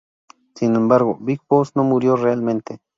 Sin embargo, Big Boss no murió realmente.